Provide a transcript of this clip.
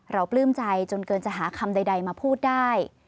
ปลื้มใจจนเกินจะหาคำใดมาพูดได้